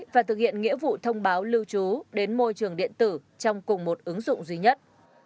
và thực hiện nghĩa vụ thông báo lưu trú đến môi trường điện tử trong cùng một ứng dụng duy nhất